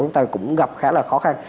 chúng ta cũng gặp khá là khó khăn